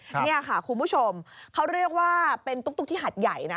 นี่ค่ะคุณผู้ชมเขาเรียกว่าเป็นตุ๊กที่หัดใหญ่นะ